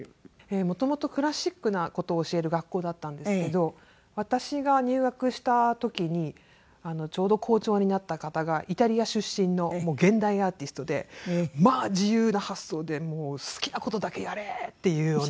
元々クラシックな事を教える学校だったんですけど私が入学した時にちょうど校長になった方がイタリア出身の現代アーティストでまあ自由な発想で好きな事だけやれっていうような。